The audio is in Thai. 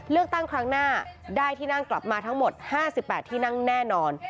เลือกตั้งครั้งหน้าได้ที่นั่งกลับมาทั้งหมด๕๘ที่นั่งแน่นอน